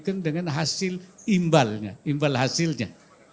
dan kembalikan dengan hasil imbalnya imbal hasilnya